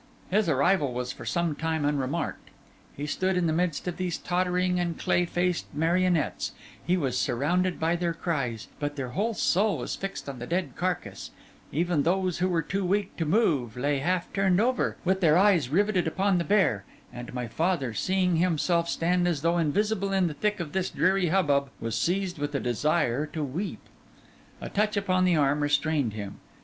His arrival was for some time unremarked. He stood in the midst of these tottering and clay faced marionettes; he was surrounded by their cries; but their whole soul was fixed on the dead carcass; even those who were too weak to move, lay, half turned over, with their eyes riveted upon the bear; and my father, seeing himself stand as though invisible in the thick of this dreary hubbub, was seized with a desire to weep. A touch upon the arm restrained him.